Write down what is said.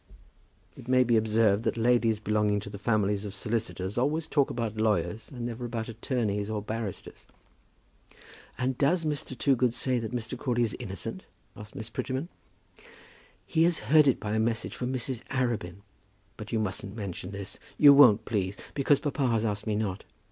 It may be observed that ladies belonging to the families of solicitors always talk about lawyers, and never about attorneys or barristers. "And does Mr. Toogood say that Mr. Crawley is innocent?" asked Miss Prettyman. "He has heard it by a message from Mrs. Arabin. But you mustn't mention this. You won't, please, because papa has asked me not.